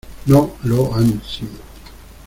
no lo han sido.